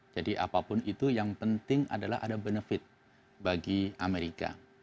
jadi apapun itu yang penting adalah ada benefit bagi amerika